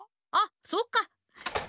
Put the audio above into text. あそっか。